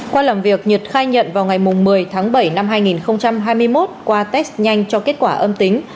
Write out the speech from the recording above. qua làm việc nhật khai nhận vào ngày một mươi tháng bảy năm hai nghìn hai mươi một qua test nhanh cho kết quả âm tính